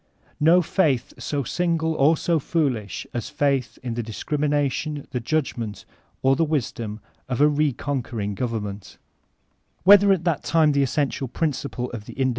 No faith so sinq>le or so foolish as faith in the discrimination, the judgement, or the wisdom of a re conquering government Whether at that time the essential principle of the inde